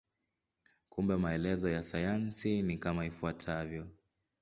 Kumbe maelezo ya sayansi ni kama ifuatavyo.